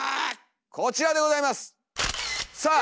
こちらでございます！さあ！